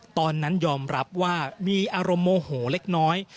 ตอนนั้นยอมรับว่ามีอารมณ์โมโหเล็กน้อย